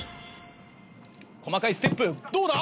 細かいステップどうだ？